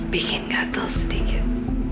bikin gatel sedikit